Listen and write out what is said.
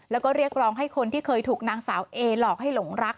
แล้วก็เรียกร้องให้คนที่เคยถูกนางสาวเอหลอกให้หลงรัก